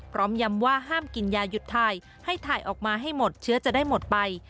ยำว่าห้ามกินยาหยุดถ่ายให้ถ่ายออกมาให้หมดเชื้อจะได้หมดไป